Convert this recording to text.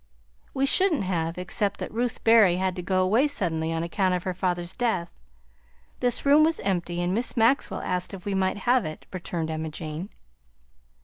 "We shouldn't have, except that Ruth Berry had to go away suddenly on account of her father's death. This room was empty, and Miss Maxwell asked if we might have it," returned Emma Jane.